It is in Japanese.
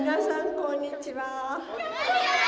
こんにちは！